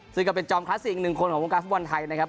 ซึ่งก็เป็นจอมคลัสสิ่งหนึ่งคนของวงการฝุ่นไทยนะครับ